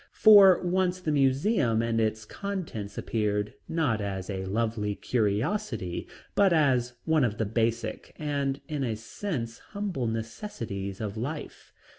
For once the museum and its contents appeared, not as a lovely curiosity, but as one of the basic, and in a sense humble necessities of life.